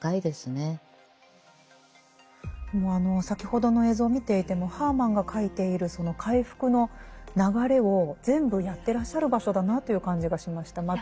先ほどの映像見ていてもハーマンが書いているその回復の流れを全部やってらっしゃる場所だなという感じがしました。